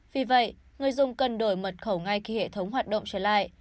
vì vậy người dùng cần đổi mật khẩu ngay khi hệ thống hoạt động trở lại